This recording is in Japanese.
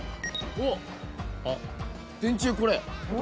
・おっ・電柱これ。